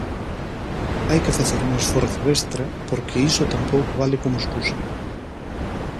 Hai que facer un esforzo extra porque iso tampouco vale como escusa.